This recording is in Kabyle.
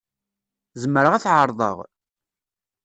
Zemreɣ ad t-ɛerḍeɣ?